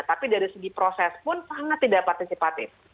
tapi dari segi proses pun sangat tidak partisipatif